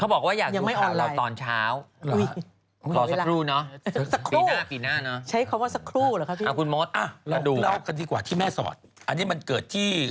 เค้าบอกว่าอยากดูค่ะเราตอนเช้าอย่างไม่ออนไลน์ค่ะยังไม่อันไลน์